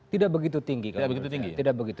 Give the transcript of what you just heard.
tidak begitu tinggi